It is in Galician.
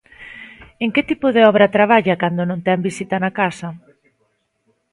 En que tipo de obra traballa cando non ten visita na casa?